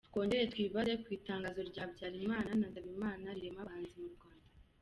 Twongere twibaze ku itangazo rya Habyarimana na Nsabimana rirema abanzi mu Rwanda.